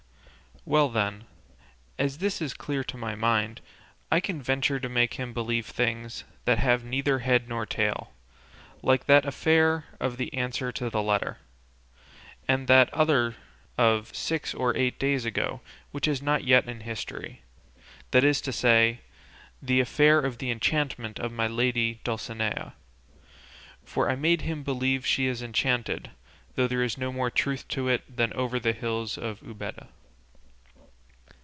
Well, then, as this is clear to my mind, I can venture to make him believe things that have neither head nor tail, like that affair of the answer to the letter, and that other of six or eight days ago, which is not yet in history, that is to say, the affair of the enchantment of my lady Dulcinea; for I made him believe she is enchanted, though there's no more truth in it than over the hills of Ubeda."